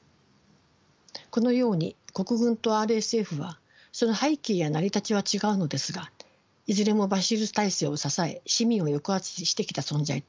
このように国軍とＲＳＦはその背景や成り立ちは違うのですがいずれもバシール体制を支え市民を抑圧してきた存在と言えます。